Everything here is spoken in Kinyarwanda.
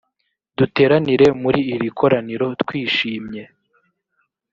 duteranire muri iri koraniro twishimye